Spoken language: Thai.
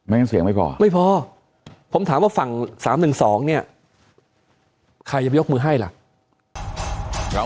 ไม่งั้นเสียงไม่พอเหรอ